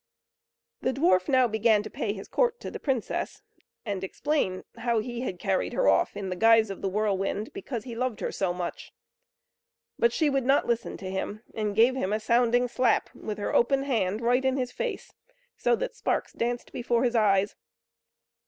The dwarf now began to pay his court to the princess, and explain how he had carried her off in the guise of the whirlwind, because he loved her so much. But she would not listen to him, and gave him a sounding slap with her open hand right in his face, so that sparks danced before his eyes.